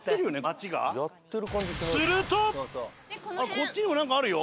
こっちにも何かあるよ。